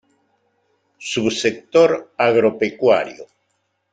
Subsector Agropecuario.